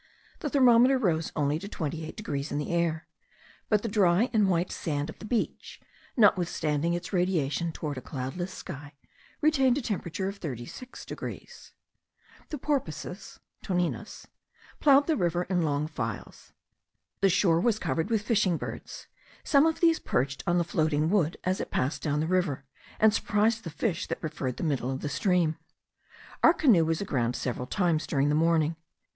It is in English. The thermometer rose only to 28 degrees in the air, but the dry and white sand of the beach, notwithstanding its radiation towards a cloudless sky, retained a temperature of 36 degrees. The porpoises (toninas) ploughed the river in long files. The shore was covered with fishing birds. Some of these perched on the floating wood as it passed down the river, and surprised the fish that preferred the middle of the stream. Our canoe was aground several times during the morning.